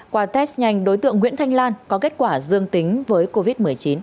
qua test nhanh đối tượng nguyễn thanh lan có kết quả dương tính với covid một mươi chín